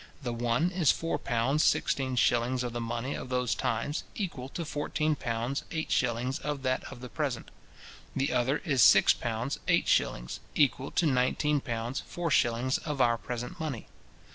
The one is four pounds sixteen shillings of the money of those times, equal to fourteen pounds eight shillings of that of the present; the other is six pounds eight shillings, equal to nineteen pounds four shillings of our present money.